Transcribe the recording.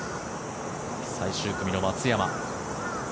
最終組の松山。